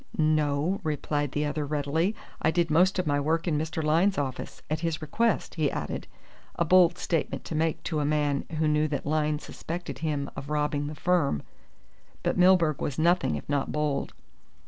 "No," replied the other readily, "I did most of my work in Mr. Lyne's office at his request," he added. A bold statement to make to a man who knew that Lyne suspected him of robbing the firm. But Milburgh was nothing if not bold.